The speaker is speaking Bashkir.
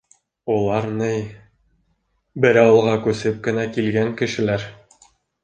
- Улар ни... был ауылға күсеп кенә килгән кешеләр...